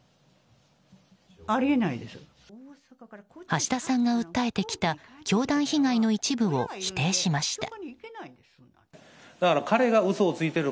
橋田さんが訴えてきた教団被害の一部を否定しました。